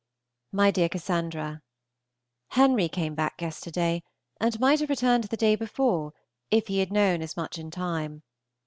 MY DEAR CASSANDRA, Henry came back yesterday, and might have returned the day before if he had known as much in time.